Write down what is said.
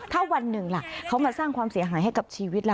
ถ้าวันหนึ่งล่ะเขามาสร้างความเสียหายให้กับชีวิตล่ะ